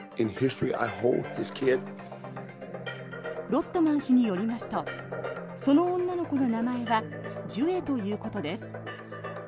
ロッドマン氏によりますとその女の子の名前はジュエということです。